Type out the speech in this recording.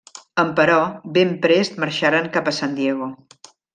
Emperò, ben prest marxaren cap a San Diego.